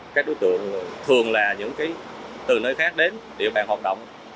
các đối tượng thường là những từ nơi khác đến địa bàn hoạt động